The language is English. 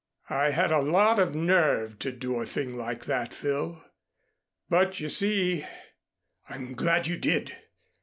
"I had a lot of nerve to do a thing like that, Phil, but you see " "I'm glad you did.